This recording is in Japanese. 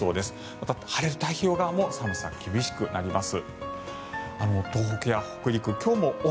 また晴れる太平洋側も寒さ厳しくなります。